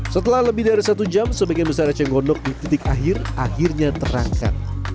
setelah lebih dari satu jam sebagian besar eceng gondok di titik akhir akhirnya terangkat